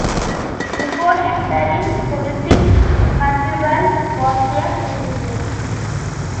Before entering politics, Hurtubise was a physician.